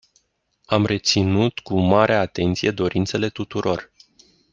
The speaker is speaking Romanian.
Am reținut cu mare atenție dorințele tuturor.